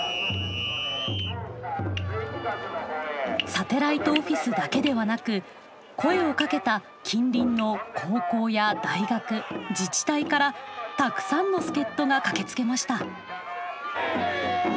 サテライトオフィスだけではなく声をかけた近隣の高校や大学自治体からたくさんの助っ人が駆けつけました。